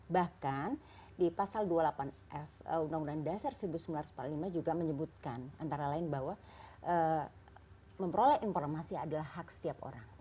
bahkan di pasal dua puluh delapan f undang undang dasar seribu sembilan ratus empat puluh lima juga menyebutkan antara lain bahwa memperoleh informasi adalah hak setiap orang